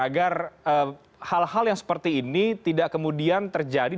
agar hal hal yang seperti ini tidak kemudian terjadi